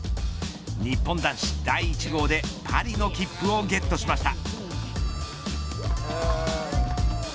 日本男子第１号でパリの切符をゲットしました。